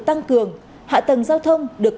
tăng cường hạ tầng giao thông được